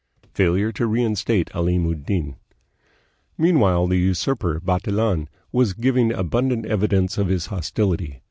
Failure to Reinstate </Llim ud Din. Meanwhile the usurper, Bantilan, was giving abundant evidence of his hostility.